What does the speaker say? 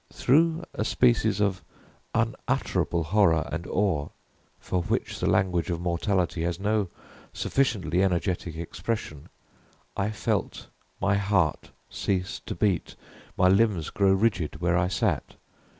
Through a species of unutterable horror and awe, for which the language of mortality has no sufficiently energetic expression, I felt my heart cease to beat, my limbs grow rigid where I sat.